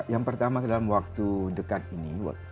yang pertama dalam waktu dekat ini